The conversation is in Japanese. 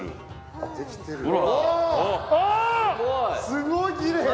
すごいきれい。